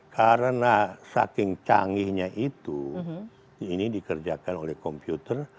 karena saking canggihnya itu ini dikerjakan oleh komputer